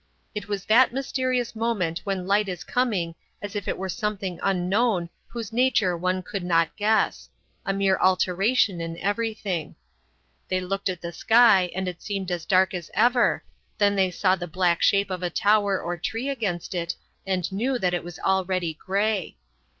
It was that mysterious moment when light is coming as if it were something unknown whose nature one could not guess a mere alteration in everything. They looked at the sky and it seemed as dark as ever; then they saw the black shape of a tower or tree against it and knew that it was already grey.